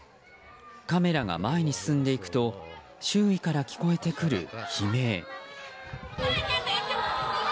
カメラが前に進んでいくと周囲から聞こえてくる悲鳴。